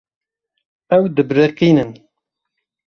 Ew dibiriqînin.